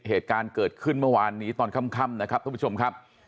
เหตุการณ์เกิดขึ้นเมื่อวานนี้ตอนค่ำนะครับทุกผู้ชมครับ